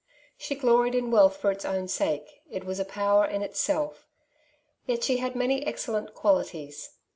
She gloried in wealth for its own sake, it was a power in itself. Yet she had many excellent qualities.